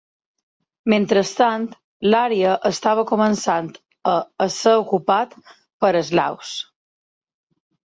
Mentrestant, l'àrea estava començant a ésser ocupat per eslaus.